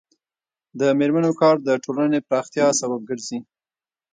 د میرمنو کار د ټولنې پراختیا سبب ګرځي.